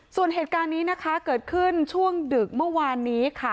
ส่วนเหตุการณ์นี้นะคะเกิดขึ้นช่วงดึกเมื่อวานนี้ค่ะ